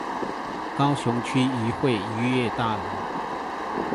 高雄區漁會漁業大樓